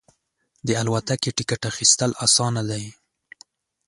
د الوتکې ټکټ اخیستل اسانه دی.